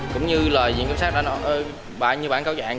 cũng như bản cáo dạng